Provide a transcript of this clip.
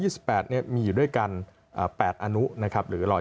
มัตตา๑๒๘มีอยู่ด้วยกัน๘อนุหรือเราจะเรียกว่า๘วงเล็บ